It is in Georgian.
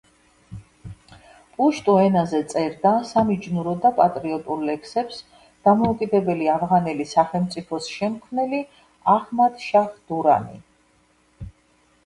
პუშტუ ენაზე წერდა სამიჯნურო და პატრიოტულ ლექსებს დამოუკიდებელი ავღანელი სახელმწიფოს შემქმნელი აჰმად-შაჰ დურანი.